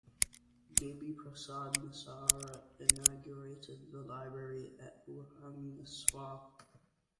Debi Prasad Mishra inaugurated the library at Bhubaneswar.